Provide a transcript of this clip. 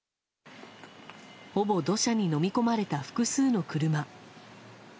ほぼ土砂にのみ込まれた複数の車。